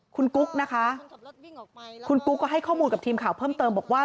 คุณกุ๊กนะคะคุณปุ๊กก็ให้ข้อมูลกับทีมข่าวเพิ่มเติมบอกว่า